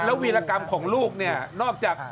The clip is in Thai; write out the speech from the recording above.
วีรกรรมของลูกเนี่ยนอกจาก